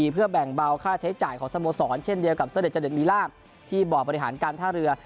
เพื่อแบ่งเบาค่าใช้จ่ายของสโมสรเช่นเดียวกับเสด็จมีลาบที่บ่อบริหารการท่าเรือ